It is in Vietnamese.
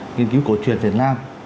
nghiên cứu cổ truyền việt nam